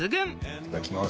いただきます。